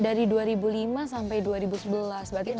dari dua ribu lima sampai dua ribu sebelas berarti enam tahun